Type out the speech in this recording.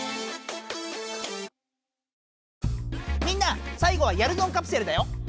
みんなさいごはやるぞんカプセルだよ。